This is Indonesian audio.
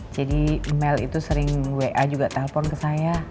jadi mel itu sering wa juga telepon ke saya